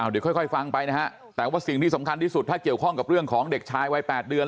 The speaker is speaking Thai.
เดี๋ยวค่อยฟังไปนะฮะแต่ว่าสิ่งที่สำคัญที่สุดถ้าเกี่ยวข้องกับเรื่องของเด็กชายวัย๘เดือน